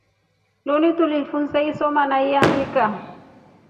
Linu tulifunsa isoma na iandika.